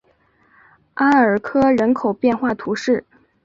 阿尔科人口变化图示